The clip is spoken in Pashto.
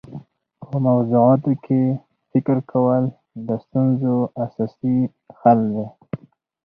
په موضوعاتو کي فکر کول د ستونزو اساسي حل دی.